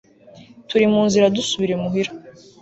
turi mu nzira dusubira imuhira